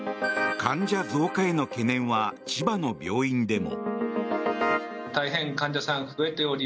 患者増加への懸念は千葉の病院でも。